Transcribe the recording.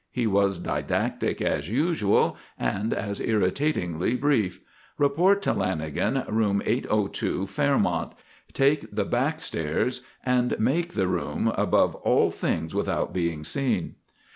He was didactic as usual, and as irritatingly brief: "Report to Lanagan. Room 802 Fairmont. Take the back stairs and make the room above all things without being seen."